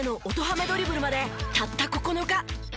ハメドリブルまでたった９日。